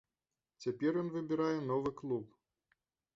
Цяпер ён выбірае новы клуб.